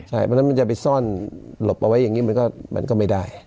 เพราะฉะนั้นมันจะไปซ่อนหลบเอาไว้อย่างนี้มันก็ไม่ได้